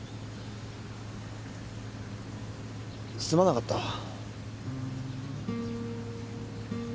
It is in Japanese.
すまなかった。